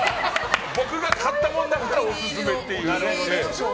僕が買ったものをオススメっていう。